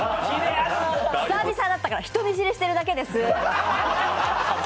久々だったから人見知りしてるだけです！